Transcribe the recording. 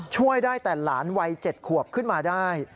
ช่วยได้แต่หลานวัย๗ขวบขึ้นมาได้